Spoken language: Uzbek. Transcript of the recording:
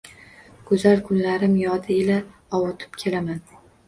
Go‘zal kunlarim yodi ila ovutib kelaman.